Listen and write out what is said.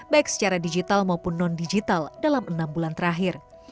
baik secara digital maupun non digital dalam enam bulan terakhir